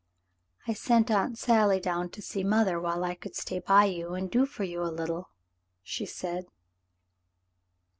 "I sent Aunt Sally down to see mother while I could stay by you and do for you a little,'' she said.